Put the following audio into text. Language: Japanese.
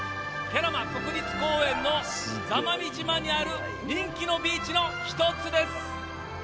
慶良間国立公園の座間味島にある人気のビーチの１つです。